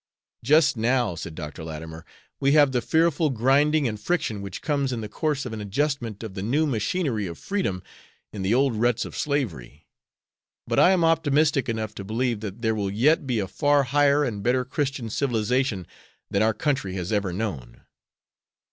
"Just now," said Dr. Latimer, "we have the fearful grinding and friction which comes in the course of an adjustment of the new machinery of freedom in the old ruts of slavery. But I am optimistic enough to believe that there will yet be a far higher and better Christian civilization than our country has ever known."